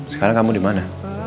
sekarang kamu dimana